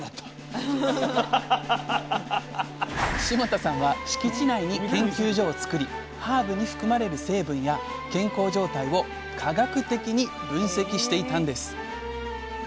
霜多さんは敷地内に研究所を作りハーブに含まれる成分や健康状態を科学的に分析していたんです。